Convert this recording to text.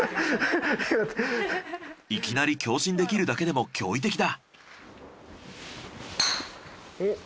いきなり強振できるだけでも驚異的だ。